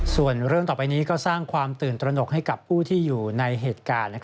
ส่วนเรื่องต่อไปนี้ก็สร้างความตื่นตระหนกให้กับผู้ที่อยู่ในเหตุการณ์